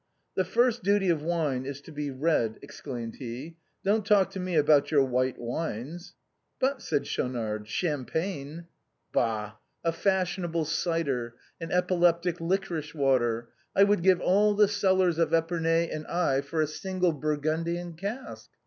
" The first duty of wine is to be red," exclaimed he, " don't talk to me about your white wines." " But," said Schaunard, "Champagne " musette's fancies. 263 " Bah ! a fashionable cider ! an epileptic licorice water. I would give all the cellars of Épernay and Aï for a single Burgundian cask.